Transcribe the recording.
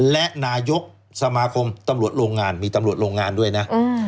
และนายกสมาคมตำรวจโรงงานมีตำรวจโรงงานด้วยนะ